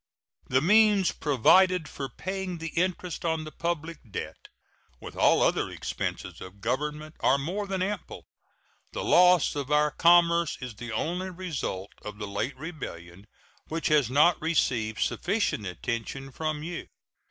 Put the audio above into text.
The means provided for paying the interest on the public debt, with all other expenses of Government, are more than ample. The loss of our commerce is the only result of the late rebellion which has not received sufficient attention from you.